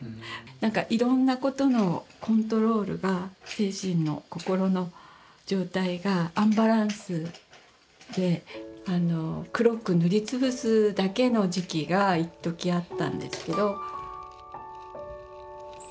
何かいろんなことのコントロールが精神の心の状態がアンバランスで黒く塗りつぶすだけの時期がいっときあったんですけど。